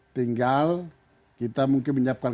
tinggal kita mungkin menyiapkan